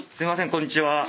こんにちは。